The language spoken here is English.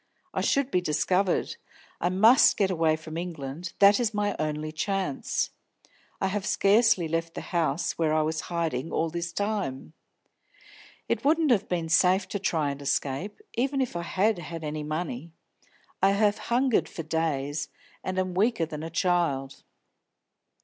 "I should be discovered. I must get away from England, that is my only chance. I have scarcely left the house where I was hiding all this time. It wouldn't have been safe to try and escape, even if I had had any money. I have hungered for days, and I am weaker than a child."